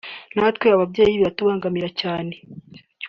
natwe ababyeyi biratubangamira cyane